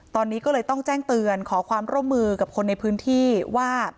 ตอนนี้ก็เลยต้องแจ้งเตือนขอความร่วมมือกับคนในพื้นที่ว่า